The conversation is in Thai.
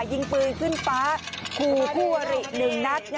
ยิงปืนขึ้นฟ้าขู่คู่อริ๑นัด